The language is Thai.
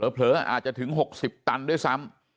เผลออาจจะถึง๖๐ตันด้วยซ้ำ